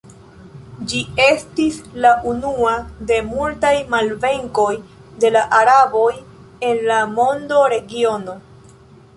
Ĝi estis la unua de multaj malvenkoj de la araboj en la mondoregiono.